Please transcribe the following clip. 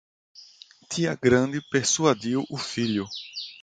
Tia grande persuadiu o filho